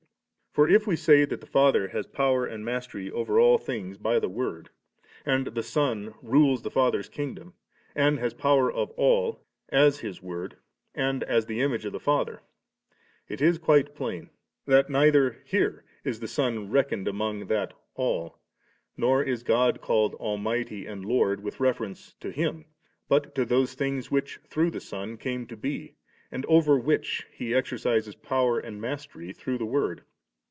For if we say that the Father has power and mastery over all things by the Word, and the Son rules the Father's kingdom, and has the power of all, as His Word, and as the Image of the Father, it is quite plain that neither here is the Son reckoned among that all, nor is God called Almighty and Lord with reference to Him, but to those things which through the Son come to be^ and over which He exercises power and mastery through the Word.